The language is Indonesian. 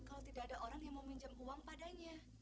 kalau tidak ada orang yang mau minjam uang padanya